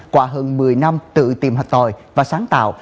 qua hơn một mươi năm tự tìm hạc tòi và sáng tạo